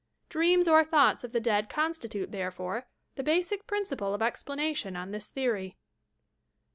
Dreams or thoughts of the dead constitute, therefore, the basic principle of explanation on this theory.